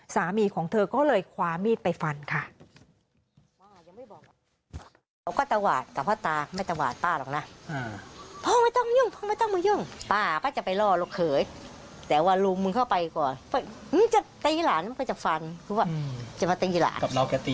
สามีของเธอก็เลยคว้ามีดไปฟันค่ะ